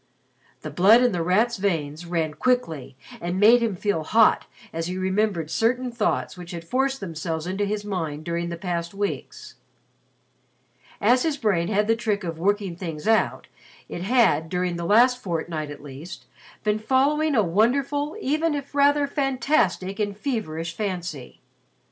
The blood in The Rat's veins ran quickly and made him feel hot as he remembered certain thoughts which had forced themselves into his mind during the past weeks. As his brain had the trick of "working things out," it had, during the last fortnight at least, been following a wonderful even if rather fantastic and feverish fancy.